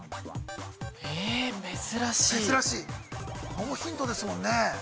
ノーヒントですもんね。